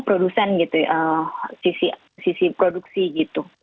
produsen gitu ya sisi produksi gitu